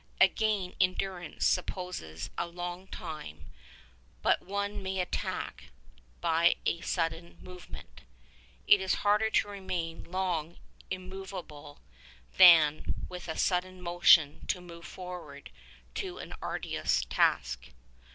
Again, endurance supposes a long time, but one may attack by a sudden movement. "It is harder to remain long immovable than with a sudden motion to move forward to an arduous task."